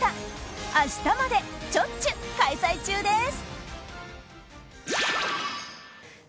明日まで、ちょっちゅ開催中です。